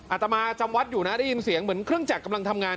อาตมาจำวัดอยู่นะได้ยินเสียงเหมือนเครื่องจักรกำลังทำงาน